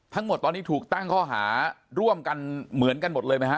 ทั้งหมดตอนนี้ถูกตั้งข้อหาร่วมกันเหมือนกันหมดเลยไหมฮะ